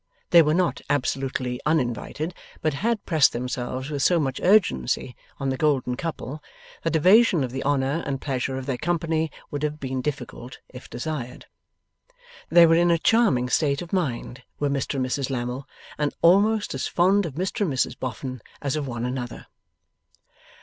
They were not absolutely uninvited, but had pressed themselves with so much urgency on the golden couple, that evasion of the honour and pleasure of their company would have been difficult, if desired. They were in a charming state of mind, were Mr and Mrs Lammle, and almost as fond of Mr and Mrs Boffin as of one another.